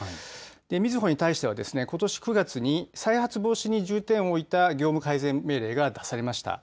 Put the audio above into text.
みずほに対しては、ことし９月に再発防止に重点を置いた業務改善命令が出されました。